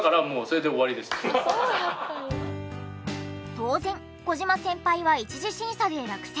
当然小島先輩は１次審査で落選。